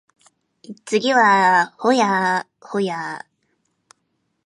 次は保谷保谷